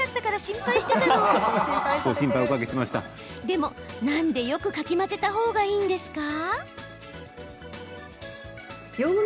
でも、なんでよくかき混ぜた方がいいんですか？